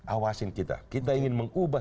awasin kita kita ingin mengubah